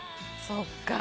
そっか。